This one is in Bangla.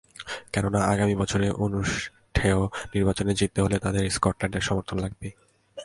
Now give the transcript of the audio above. কেননা, আগামী বছরে অনুষ্ঠেয় নির্বাচনে জিততে হলে তাঁদের স্কটল্যান্ডের সমর্থন লাগবেই।